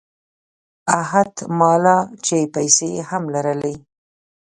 احت مالًا چې پیسې هم لرلې.